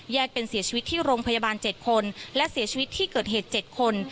เป็นเสียชีวิตที่โรงพยาบาล๗คนและเสียชีวิตที่เกิดเหตุ๗คน